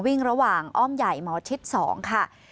วิ่งระหว่างอ้อมใหญ่หมอชิด๒ค่ะ